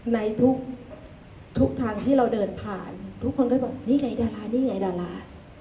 ในทุกทุกทางที่เราเดินผ่านทุกคนก็บอกนี่ไงดารานี่ไงดารา